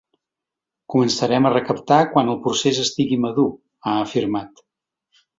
Començarem a recaptar quan el procés estigui madur, ha afirmat.